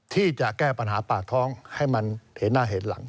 ที่จะแก้ปัญหาปากท้องให้มันเห็นหน้าเห็นหลัง